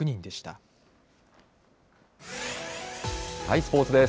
スポーツです。